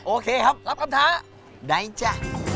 โอเคครับรับคำท้าได้จ้ะ